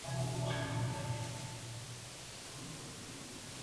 Fue un abogado, escritor y político mexicano.